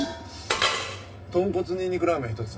豚骨にんにくラーメン一つ。